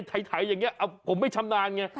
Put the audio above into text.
ไถอย่างนี้ผมไม่ชำนาญไง